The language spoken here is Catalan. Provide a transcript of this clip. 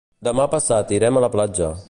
Demà passat irem a la platja.